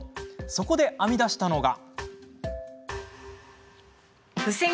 そこで編み出したのが。